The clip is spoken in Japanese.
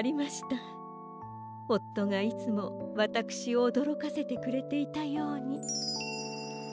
おっとがいつもわたくしをおどろかせてくれていたように。